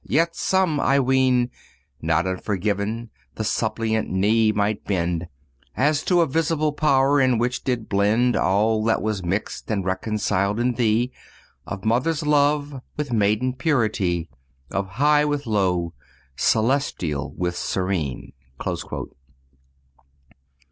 Yet some, I ween, Not unforgiven, the suppliant knee might bend As to a visible power, in which did blend All that was mixed and reconciled in thee Of mother's love with maiden purity, Of high with low, celestial with serene."